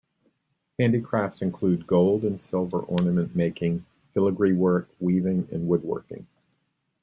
Handicrafts include gold and silver ornament making, filigree work, weaving, and woodworking.